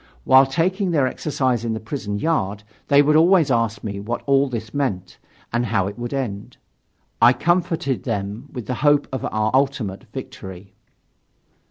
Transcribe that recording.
While taking their exercise in the prison yard, they would always ask me what all this meant and how it would end. I comforted them with the hope of our ultimate victory.